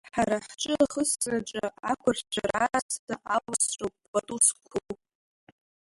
Ҳара ҳҿы ахысраҿы ақәыршәара аасҭа аласроуп пату зкәу.